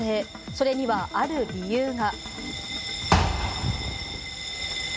それにはある理由が。